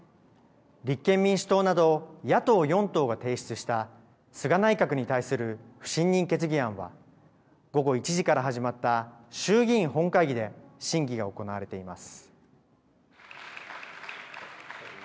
立憲民主党など野党４党が提出した菅内閣に対する不信任決議案は午後１時から始まった衆議院本会議で審議が行われています。